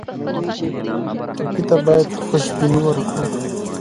ټپي ته باید خوشبیني ورکړو.